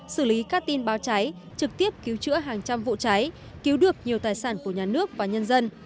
xử lý các tin báo cháy trực tiếp cứu chữa hàng trăm vụ cháy cứu được nhiều tài sản của nhà nước và nhân dân